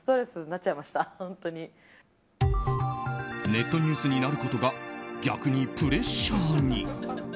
ネットニュースになることが逆にプレッシャーに。